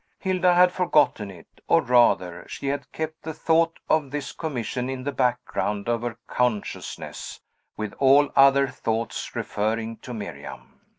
Hilda had forgotten it; or, rather, she had kept the thought of this commission in the background of her consciousness, with all other thoughts referring to Miriam.